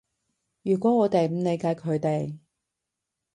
如果我哋唔理解佢哋